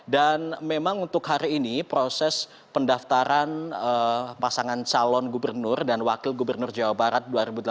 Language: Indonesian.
dan memang untuk hari ini proses pendaftaran pasangan calon gubernur dan wakil gubernur jawa barat dua ribu delapan belas